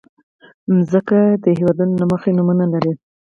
مځکه د هېوادونو له مخې نومونه لري.